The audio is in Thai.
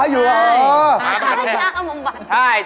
อ๋ออยู่หรือใช่หรือหรืออ่าประเทศ